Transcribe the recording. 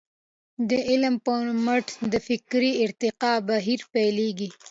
د علم په مټ د فکري ارتقاء بهير پيلېږي.